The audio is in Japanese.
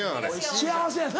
幸せやな。